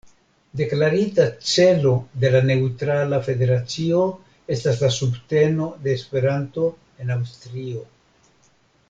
Deklarita celo de la neŭtrala federacio estas la subteno de Esperanto en Aŭstrio.